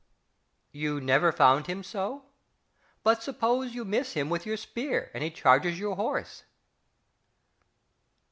"You never found him so"? But suppose you miss him with your spear, and he charges your horse?...